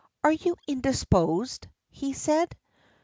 "Are you indisposed?" he said.